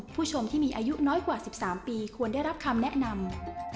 ผู้ชมที่มีอายุน้อยกว่า๑๓ปีควรได้รับคำแนะนำ